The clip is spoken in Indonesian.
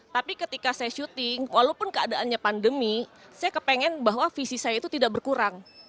jadi ketika saya shooting walaupun keadaannya pandemi saya kepengen bahwa visi saya itu tidak berkurang